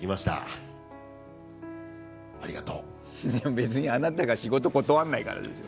別にあなたが仕事を断らないからでしょ。